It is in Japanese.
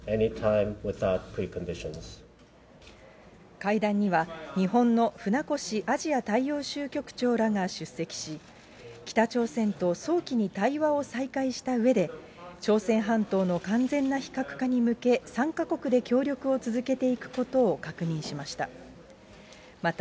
会談には、日本のふなこしアジア大洋州局長らが出席し、北朝鮮と早期に対話を再開したうえで、朝鮮半島の完全な非核化に向け、３か国で協力を続けていくことを確認しました。